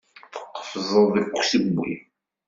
Tqefzeḍ deg usewwi.